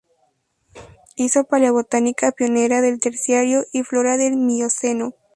Hizo Paleobotánica pionera del Terciario, y flora del Mioceno.